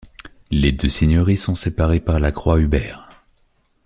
Les deux seigneuries sont séparées par la croix Hubert.